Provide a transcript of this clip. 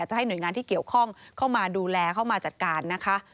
จะให้หน่วยงานที่เกี่ยวข้องเข้ามาดูแลเข้ามาจัดการนะคะ